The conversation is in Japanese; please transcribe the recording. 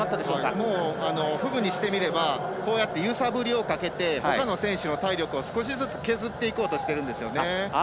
もうフグにしてみればこうやって揺さぶりをかけてほかの選手たちの体力を少しずつ削っていこうとしてるんです。